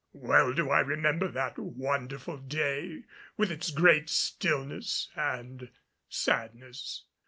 Well do I remember that wonderful day with its great stillness and sadness.